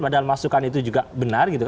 padahal masukan itu juga benar gitu